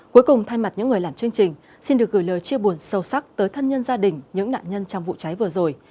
cuối cùng thay mặt những người làm chương trình xin được gửi lời chia buồn sâu sắc tới thân nhân gia đình những nạn nhân trong vụ cháy vừa rồi